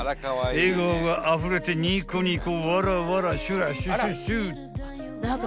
［笑顔があふれてニコニコわらわらシュラシュシュシュ］